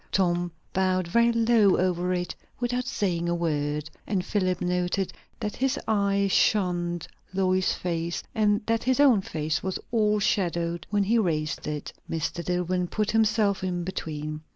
Tom bowed very low over it, without saying one word; and Philip noted that his eye shunned Lois's face, and that his own face was all shadowed when he raised it. Mr. Dillwyn put himself in between.